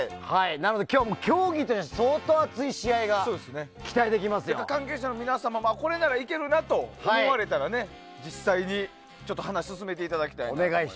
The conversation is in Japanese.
なので、今日は競技としては相当熱い試合が関係者の皆様もこれならいけるなと思われたら実際に話を進めていただきたいと。